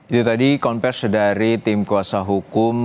itu tadi konversi dari tim kuasa hukum